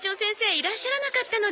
いらっしゃらなかったので。